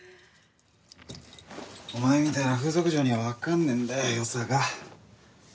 お前みたいな風俗嬢には分かんねえんだよ、よさが。